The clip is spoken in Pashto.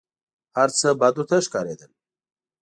هر څه بد ورته ښکارېدل .